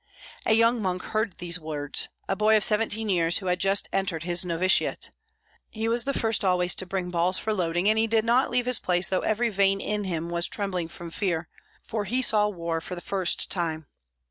A young monk heard these words, a boy of seventeen years, who had just entered his novitiate. He was the first always to bring balls for loading, and he did not leave his place though every vein in him was trembling from fear, for he saw war for the first time.